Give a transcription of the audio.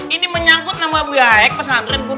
ini menyangkut nama baik pesantren pun